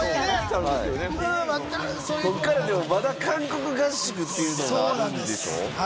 こっから、まだ韓国合宿というのがあるんでしょ？